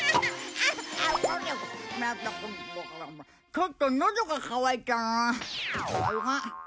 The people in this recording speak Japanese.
ちょっとのどが渇いたな。